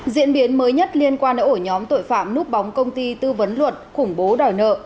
diễn biến mới nhất liên quan đến ổ nhóm tội phạm núp bóng công ty tư vấn luật khủng bố đòi nợ